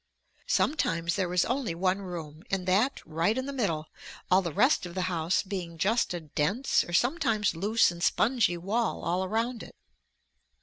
Sometimes there is only one room and that right in the middle, all the rest of the house being just a dense or sometimes loose and spongy wall all around it.